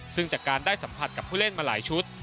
ซึ่งจากการได้สัมผัสกับผู้เล่นมาหลายชุด